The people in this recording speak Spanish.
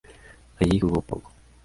Allí jugó poco.